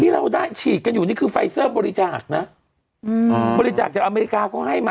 เราได้ฉีดกันอยู่นี่คือไฟเซอร์บริจาคนะบริจาคจากอเมริกาเขาให้มา